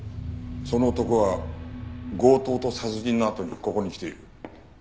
その男は強盗と殺人のあとにここに来ている。